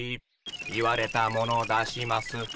言われたもの出します。